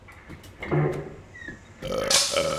ისინი ერთმანეთისგან გასხვავდება ფორმებით.